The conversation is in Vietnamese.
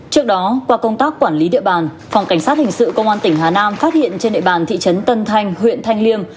trước đó qua công tác quản lý địa bàn phòng cảnh sát hình sự công an tỉnh hà nam phát hiện trên địa bàn thị trấn tân thanh huyện thanh liêm